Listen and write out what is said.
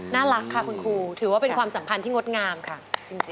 น่ารักค่ะคุณครูถือว่าเป็นความสัมพันธ์ที่งดงามค่ะจริง